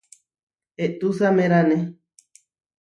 Eʼtúsamerane.